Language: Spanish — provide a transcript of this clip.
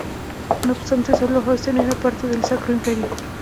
No obstante, sólo Holstein era parte del Sacro Imperio.